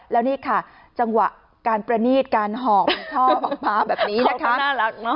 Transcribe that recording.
แล้วนี่ค่ะจังหวะการประนีดการหอมช่อหอมพ้าแบบนี้นะคะน่ารักเนอะ